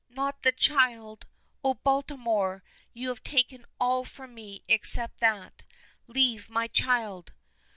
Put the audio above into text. Not the child! Oh! Baltimore, you have taken all from me except that. Leave me my child!"